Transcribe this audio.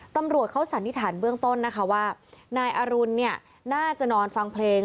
ตำรวจเขาสันนิษฐานเบื้องต้นนะคะว่านายอรุณเนี่ยน่าจะนอนฟังเพลง